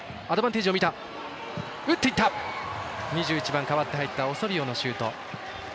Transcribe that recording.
２１番、代わって入ったオソリオのシュート。